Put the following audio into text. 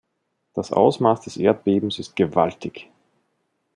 Das Ausmaß des Erdbebens ist gewaltig.